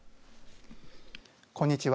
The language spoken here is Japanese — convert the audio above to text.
こんにちは。